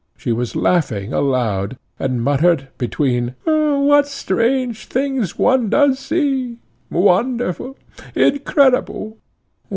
She was laughing aloud, and muttered between, "What strange things one does see! Wonderful! incredible!"